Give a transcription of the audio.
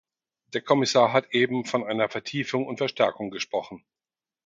Der Kommissar hat eben von einer Vertiefung und Verstärkung gesprochen.